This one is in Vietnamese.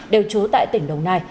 đều trú tại tỉnh đồng nai